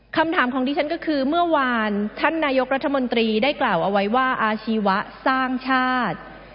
คำถามของดิฉันก็คือเมื่อวานท่านนายกรัฐมนตรีได้กล่าวเอาไว้ว่าอาชีวะสร้างชาติ